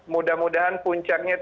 mudah mudahan puncaknya tidak